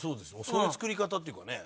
その作り方っていうかね。